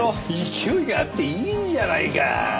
勢いがあっていいじゃないか。